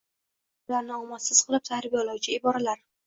Bolalarni omadsiz qilib tarbiyalovchi iboralar.